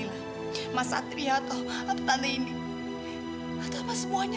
dari tadi aku nggak lihat lara soalnya